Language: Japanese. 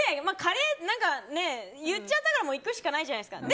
言っちゃったから行くしかないじゃないですか。